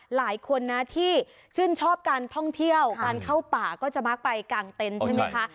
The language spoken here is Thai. หลายคนนะที่ชื่นชอบการท่องเที่ยวการเข้าป่าก็จะมักไปกลางเต็นต์ใช่ไหมคะ